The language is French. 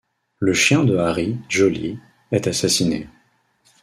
Le chien de Harry, Jolly, est assassiné.